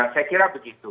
saya kira begitu